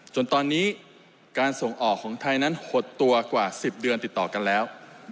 จนตอนนี้การส่งออกของไทยนั้นหดตัวกว่า๑๐เดือนติดต่อกันแล้ว